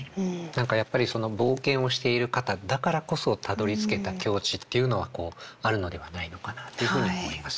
何かやっぱりその冒険をしている方だからこそたどりつけた境地っていうのはあるのではないのかなっていうふうに思いますね。